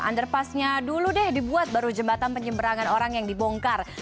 underpassnya dulu deh dibuat baru jembatan penyeberangan orang yang dibongkar